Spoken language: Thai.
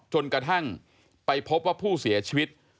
จนกระทั่งไปพบว่าผู้เสียชีวิต